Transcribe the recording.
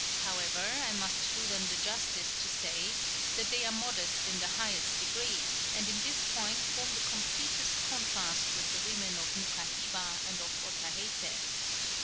However, I must do them the justice to say, that they are modest in the highest degree, and in this point form the completest contrast with the women of Nukahiva and of Otaheite....